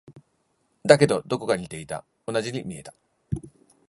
だけど、どこか似ていた。同じに見えた。